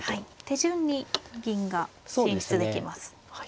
手順に銀が進出できます。